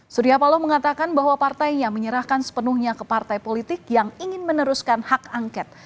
surya paloh mengatakan bahwa partainya menyerahkan sepenuhnya ke partai politik yang ingin meneruskan hak angket